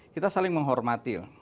kita saling menghormati